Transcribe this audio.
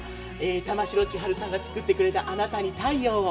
玉城千春さんが作ってくれた「あなたに太陽を」。